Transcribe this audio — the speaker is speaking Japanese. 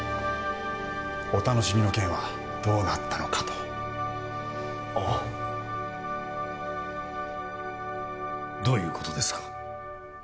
お楽しみの件はどうなったのかとあッどういうことですか？